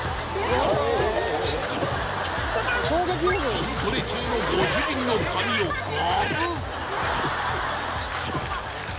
筋トレ中のご主人の髪をガブッ！